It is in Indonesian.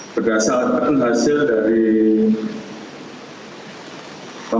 berdasarkan hasil dari kompresor